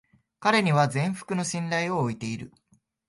彼には全幅の信頼を置いている